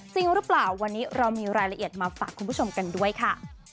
จริงหรือเปล่าวันนี้เรามีรายละเอียดมาฝากคุณผู้ชมกันด้วยค่ะ